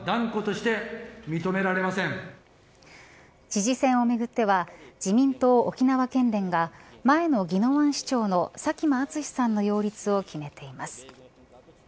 知事選をめぐっては自民党沖縄県連が前の宜野湾市長の佐喜真淳さんの擁立を決めています。